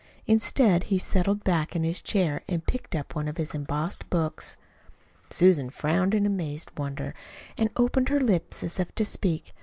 Instead he settled back in his chair and picked up one of his embossed books. Susan frowned in amazed wonder, and opened her lips as if to speak.